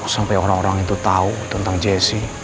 sampai orang orang itu tahu tentang jesse